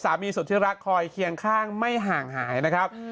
สุดที่รักคอยเคียงข้างไม่ห่างหายนะครับ